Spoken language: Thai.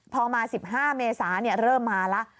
พอมา๑๕เมษาเริ่มมาแล้ว